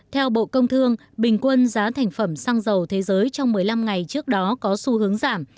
theo bộ công thương bình quân giá thành phẩm xăng dầu thế giới trong một mươi năm ngày trước đó có xu hướng giảm